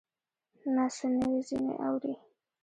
نه څه نوي ځینې اورې